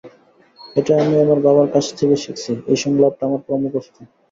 এইট্যা আমি আমার বাবার কাছ থেইক্যা শিখছি—এই সংলাপটা আমার পুরো মুখস্থ।